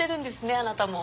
あなたも。